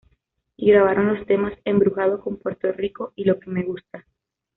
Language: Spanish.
Y grabaron los temas "Embrujado con Puerto Rico" y "Lo que me gusta".